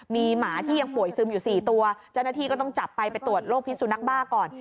มีหมาที่ยังป่วยซึมอยู่๔ตัวเจ้าหน้าที่ก็ต้องจับไปไปตรวจโรคพิสุนักบ้าก่อน